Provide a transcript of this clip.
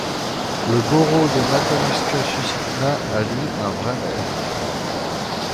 Le borough de Matanuska-Susitna a, lui, un vrai maire.